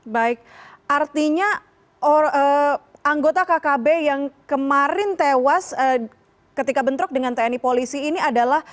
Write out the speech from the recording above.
baik artinya anggota kkb yang kemarin tewas ketika bentrok dengan tni polisi ini adalah